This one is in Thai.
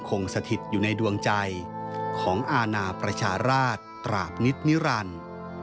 สถิตอยู่ในดวงใจของอาณาประชาราชตราบนิตนิรันดิ์